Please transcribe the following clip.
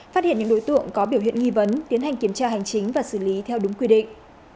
phát hiện những đối tượng có biểu hiện nghi vấn tiến hành kiểm tra hành chính và xử lý theo đúng quy định